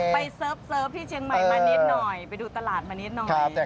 เซิร์ฟที่เชียงใหม่มานิดหน่อยไปดูตลาดมานิดหน่อย